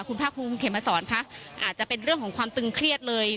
คุณภาคภูมิคุณเขมมาสอนค่ะอาจจะเป็นเรื่องของความตึงเครียดเลย